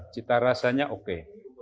cita rasanya oke